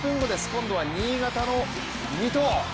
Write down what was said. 今度は新潟の三戸！